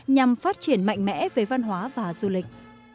nhằm phát triển mạnh mẽ về văn hóa và du lịch